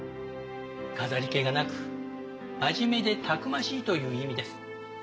飾り気がなく真面目でたくましいという意味です。